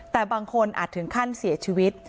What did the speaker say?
แต่บางคนอาจถึงขั้นเสียชีวิต